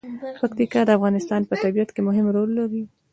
پکتیکا د افغانستان په طبیعت کې مهم رول لري.